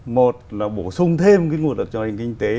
một là bổ sung thêm cái nguồn lực cho nền kinh tế